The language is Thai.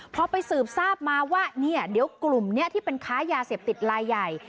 พอไปสืบทราบมาว่าเนี่ยเดี๋ยวกลุ่มนี้ที่เป็นค้ายาเสพติดลายใหญ่